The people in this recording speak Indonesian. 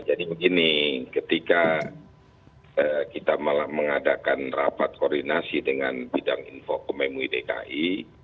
jadi begini ketika kita mengadakan rapat koordinasi dengan bidang infokom mui dki